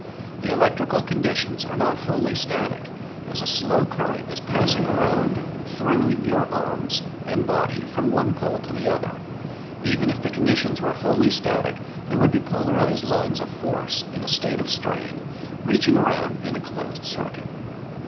The electrical conditions are not wholly static, as a slow current is passing around through your arms and body from one pole to the other. Even if the conditions were wholly static there would be polarized lines of force, in a state of strain, reaching around in a closed circuit.